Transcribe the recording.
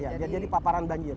iya jadi paparan banjir